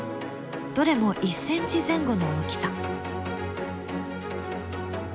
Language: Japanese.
どれも１ｃｍ前後の大きさ。